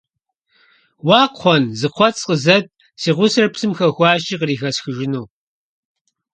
Уа Кхъуэн, зы кхъуэц къызэт, си гъусэр псым хэхуащи кърихэсхыжыну.